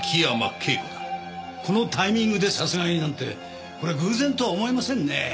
このタイミングで殺害なんてこれは偶然とは思えませんね。